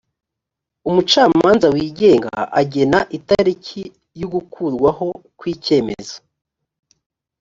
umucamanza wigenga agena itariki y’ugukurwaho kw’icyemezo